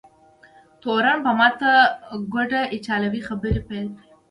تورن په ماته ګوډه ایټالوي خبرې پیل کړې.